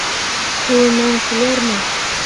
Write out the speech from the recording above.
Ҡулынан килерме?